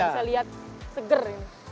bisa lihat seger ini